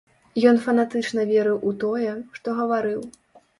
Ён фанатычна верыў у тое, што гаварыў.